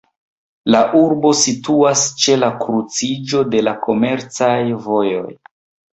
La urbo situas ĉe la kruciĝo de la komercaj vojoj.